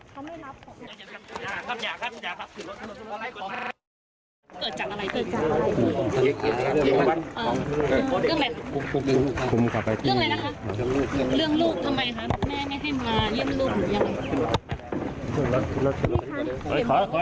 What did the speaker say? ขอทีจุดนะครับขอยาดทีจุดนะครับ